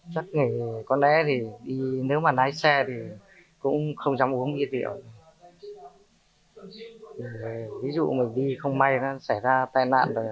chắc là có lẽ thì nếu mà lái xe thì